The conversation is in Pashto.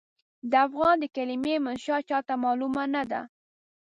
د افغان د کلمې منشا چاته معلومه نه ده.